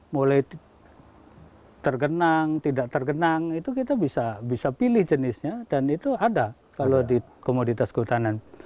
mulai tergenang tidak tergenang itu kita bisa pilih jenisnya dan itu ada kalau di komoditas kehutanan